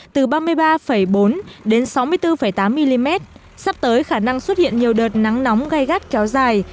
từ ba mươi ba bốn đến sáu mươi bốn tám mm sắp tới khả năng xuất hiện nhiều đợt nắng nóng gai gắt kéo dài